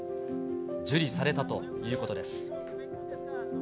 受理されたということです。